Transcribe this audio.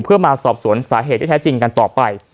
เพื่อมาสอบสวนสาเหตุที่แท้จริงกันต่อไป